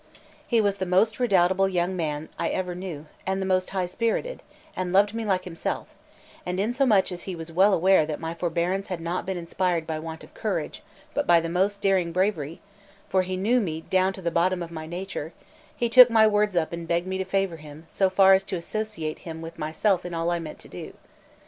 He was the most redoubtable young man I ever knew, and the most high spirited, and loved me like himself; and insomuch as he was well aware that my forbearance had not been inspired by want of courage, but by the most daring bravery, for he knew me down to the bottom of my nature, he took my words up and begged me to favour him so far as to associate him with myself in all I meant to do.